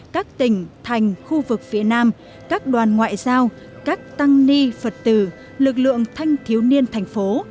các tỉnh thành khu vực phía nam các đoàn ngoại giao các tăng ni phật tử lực lượng thanh thiếu niên thành phố